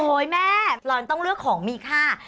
เฮ้ยแม่เรายังต้องเลือกของมีค่า